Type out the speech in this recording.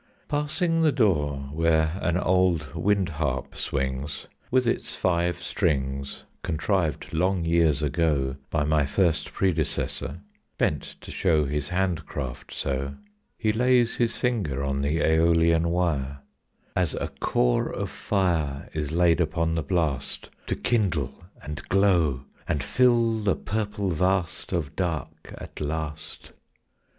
Passing the door where an old wind harp swings, With its five strings, Contrived long years ago By my first predecessor bent to show His handcraft so, He lays his fingers on the æolian wire, As a core of fire Is laid upon the blast To kindle and glow and fill the purple vast Of dark at last.